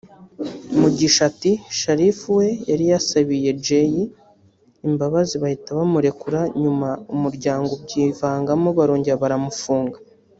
Mugisha ati “Sharifa we yari yasabiye Jay imbabazi bahita bamurekura nyuma umuryango ubyivangamo barongera baramufunga